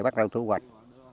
bắt đầu thu hoạch